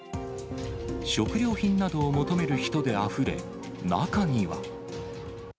食料品などを求める人であふれ、中には。